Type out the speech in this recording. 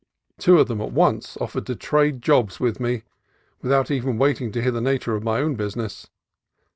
Two of them at once offered to "trade jobs" with me, without even waiting to hear the nature of my own business.